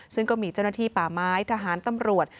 ซึ่งก็มีเจ้าหน้าที่ป่าไม้ทหารตำรวจ